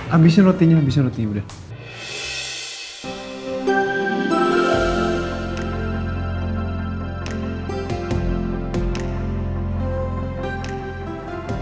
habisnya rotinya habisnya roti udah